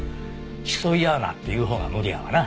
競い合うなっていうほうが無理やわな。